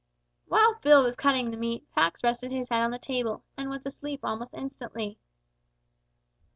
While Phil was cutting the meat Pax rested his head on the table, and was asleep almost instantly.